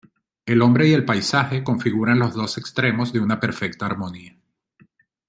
El hombre y el paisaje configuran los dos extremos de una perfecta armonía.